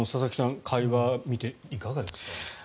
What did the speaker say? この会話を見ていかがですか。